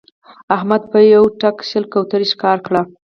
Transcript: احمد په یوه ډز شل کوترې ښکار کړې